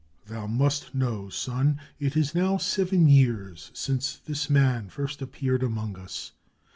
Thou must know, son, it is now seven years since 475 SPAIN this man first appeared among us.